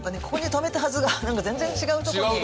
ここに止めたはずが全然違う所に。